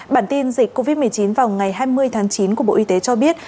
bản tin dịch covid một mươi chín vào ngày hai mươi tháng chín của bộ y tế cho biết